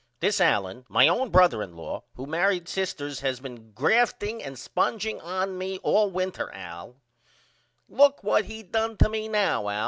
This Allen my own brother in law who married sisters has been grafting and spongeing on me all winter Al. Look what he done to me now Al.